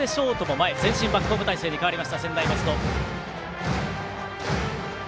前進バックホーム態勢に変わりました、専大松戸。